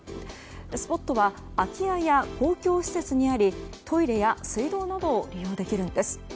スポットは空き家や公共施設にありトイレや水道などを利用できるんです。